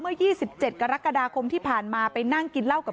เมื่อเวลาอันดับอันดับ